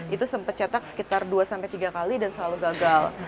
itu sempat cetak sekitar dua sampai tiga kali dan selalu gagal